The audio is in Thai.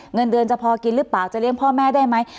เงินเดือนจะพอกินหรือเปล่าจะเลี้ยงพ่อแม่ได้ไหม